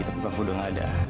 tapi aku udah gak ada